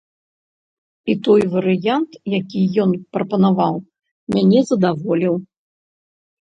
І той варыянт, які ён прапанаваў, мяне задаволіў.